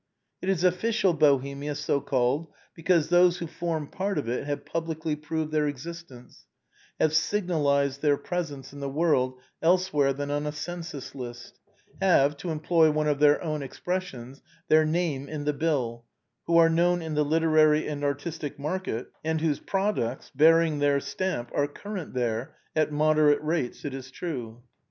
It is official Bohemia so called because those who form part of it have publicly proved their existence, have sig nalized their presence in the world elsewhere than on a cen sus list, have, to employ one of their own expressions, " their name in the bill," who are known in the literary and ar tistic market, and whose products, bearing their stamp, are current there, at moderate rates it is true.